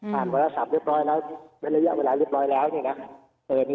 ภาพเวลาสามเรียบร้อยแล้วมีระยะเวลาเรียบร้อยแล้วเนี่ยนะ